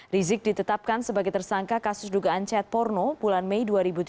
rizik ditetapkan sebagai tersangka kasus dugaan chat porno bulan mei dua ribu tujuh belas